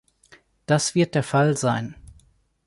Das wird der Fall sein.